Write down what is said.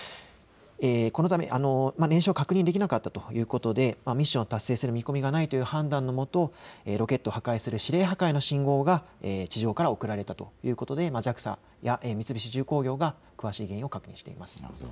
このため燃焼確認ができなかったということでミッションを達成する見込みがないという判断のもと、ロケットを破壊する指令破壊の信号が地上から送られたということで今ＪＡＸＡや三菱重工業が詳しい原因を確認しています。